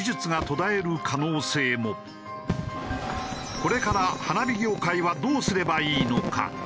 これから花火業界はどうすればいいのか？